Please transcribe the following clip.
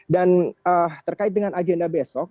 dan terkait dengan agenda besok